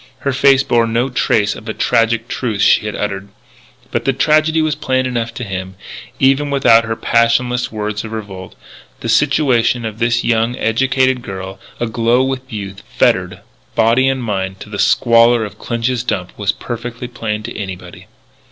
Her face bore no trace of the tragic truth she had uttered. But the tragedy was plain enough to him, even without her passionless words of revolt. The situation of this young, educated girl, aglow with youth, fettered, body and mind, to the squalor of Clinch's dump, was perfectly plain to anybody.